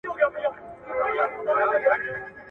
کله به حکومت هوکړه په رسمي ډول وڅیړي؟